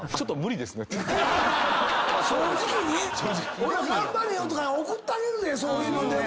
俺「頑張れよ」とか送ってあげるでそういうのでも。